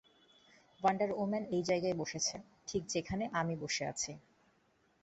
Wonder woman এই জায়গায় বসেছে, ঠিক যেখানে আমি বসে আছি।